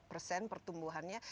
tapi ini pertama kali